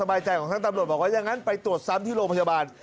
บายใจของทั้งตำรวจบอกว่าอย่างนั้นไปตรวจซ้ำที่โรงพยาบาล